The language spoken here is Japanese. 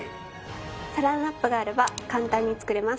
サランラップがあれば簡単に作れます。